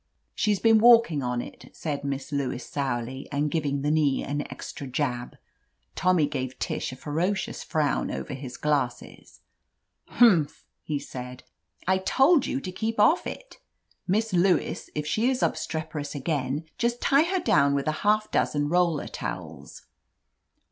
'* "She's been walking on it," said Miss Lewis sourly, and giving the knee an extra jab. Tommy gave Tish a ferocious frown over his glasses. "Humph !" he said. "I told you to keep off it! Miss Lewis, if she is obstreperous again, just tie her down with a half dozen roller towels."